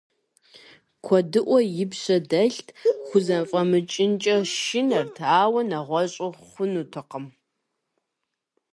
Куэдыӏуэ и пщэ дэлът, хузэфӏэмыкӏынкӏэ шынэрт, ауэ нэгъуэщӀу хъунутэкъым.